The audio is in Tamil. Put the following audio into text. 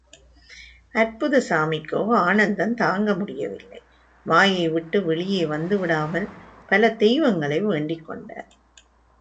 அற்புதசாமிக்கோ ஆனந்தம் தாங்க முடியவில்லை, வாயை விட்டு வெளியே வந்து விடாமல், பல தெய்வங்களை வேண்டிச் கொண்டார்.